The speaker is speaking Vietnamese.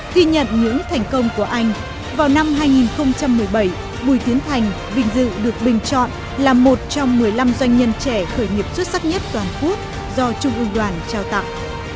khi nhận những thành công của anh vào năm hai nghìn một mươi bảy bùi tiến thành vinh dự được bình chọn là một trong một mươi năm doanh nhân trẻ khởi nghiệp xuất sắc nhất toàn quốc do trung ương đoàn trao tặng